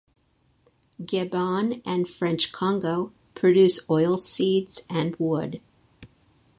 Gabon and French Congo produce oilseeds and wood.